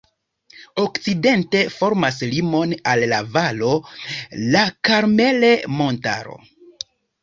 Okcidente formas limon al la valo la Karmel-montaro.